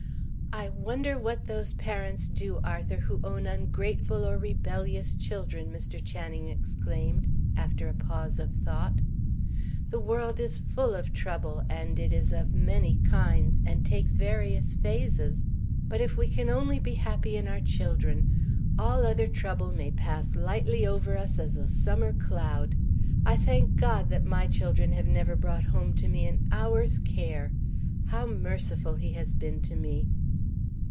"I wonder what those parents do, Arthur, who own ungrateful or rebellious children!" Mr. Channing exclaimed, after a pause of thought. "The world is full of trouble; and it is of many kinds, and takes various phases; but if we can only be happy in our children, all other trouble may pass lightly over us, as a summer cloud. I thank God that my children have never brought home to me an hour's care. How merciful He has been to me!"